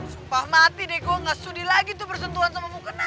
sumpah mati deh gue gak sudi lagi tuh bersentuhan sama mukena